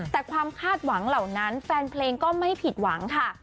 แต่ความคาดหวังเหล่านั้นแฟนเพลงก็ไม่ผิดหวังค่ะ